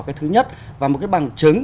cái thứ nhất và một cái bằng chứng